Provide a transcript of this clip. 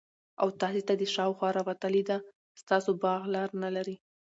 او تاسي ته دشاخوا راوتلي ده ستاسو باغ لار نلري